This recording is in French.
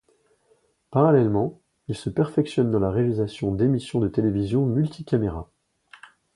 Parallèlement, il se perfectionne dans la réalisation d'émissions de télévision multicaméras.